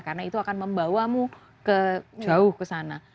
karena itu akan membawamu jauh ke sana